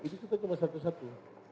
ini cuma satu satu